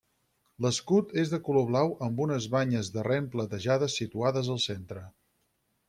L'escut és de color blau amb unes banyes de ren platejades situades al centre.